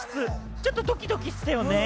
ちょっとドキドキしたよね。